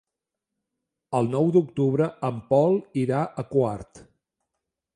El nou d'octubre en Pol irà a Quart.